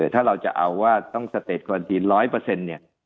ถ้าเราจะเอาว่าต้องสเตจควันทีน๑๐๐เนี่ย